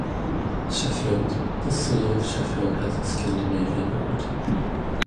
Sheffield - The city of Sheffield has a Scandinavian origin.